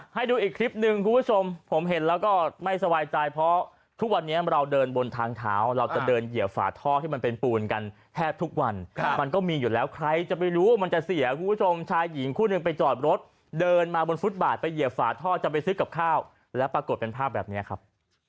ให้ดูอีกคลิปหนึ่งคุณผู้ชมผมเห็นแล้วก็ไม่สบายใจเพราะทุกวันนี้เราเดินบนทางเท้าเราจะเดินเหยียบฝาท่อที่มันเป็นปูนกันแทบทุกวันมันก็มีอยู่แล้วใครจะไปรู้ว่ามันจะเสียคุณผู้ชมชายหญิงคู่หนึ่งไปจอดรถเดินมาบนฟุตบาทไปเหยียบฝาท่อจะไปซื้อกับข้าวแล้วปรากฏเป็นภาพแบบนี้ครับ